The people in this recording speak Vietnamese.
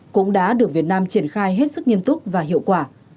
cũng đã được việt nam triển khai hết sức nghiêm túc và hiệu quả